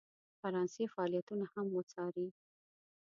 فرانسې فعالیتونه هم وڅاري.